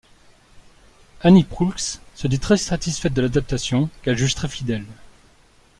Annie Proulx se dit très satisfaite de l'adaptation, qu'elle juge très fidèle.